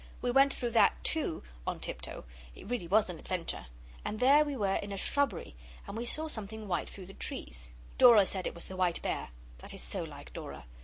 We went through that too, on tiptoe. It really was an adventure. And there we were in a shrubbery, and we saw something white through the trees. Dora said it was the white bear. That is so like Dora.